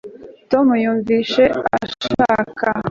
tom yumvise ashaka